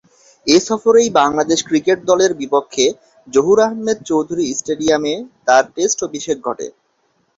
এ সফরেই বাংলাদেশ ক্রিকেট দলের বিপক্ষে জহুর আহমেদ চৌধুরী স্টেডিয়াম এ তার টেস্ট অভিষেক ঘটে।